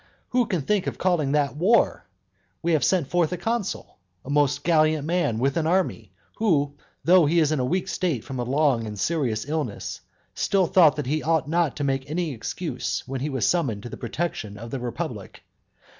Who can think of calling that war? We have sent forth a consul, a most gallant man, with an army, who, though he was in a weak state from a long and serious illness, still thought he ought not to make any excuse when he was summoned to the protection of the republic.